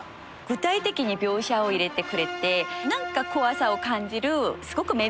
具体的に描写を入れてくれて何か怖さを感じるすごく珍しい歌ができたなって。